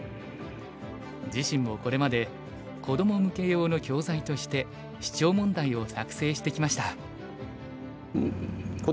自身もこれまで子ども向け用の教材としてシチョウ問題を作成してきました。